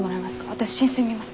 私浸水見ます。